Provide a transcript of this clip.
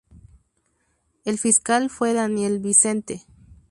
El fiscal fue Daniel Vicente.